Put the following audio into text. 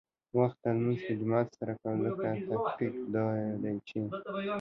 وخته لمونځ په جماعت سره کوه، ځکه تحقیق دا دی چې